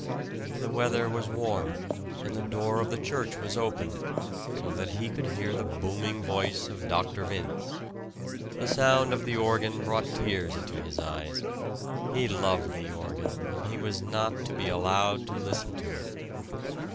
The weather was warm, and the door of the church was open, so that he could hear the booming voice of Dr. Vince. The sound of the organ brought tears into his eyes he loved the organ, and he was not to be allowed to listen to it!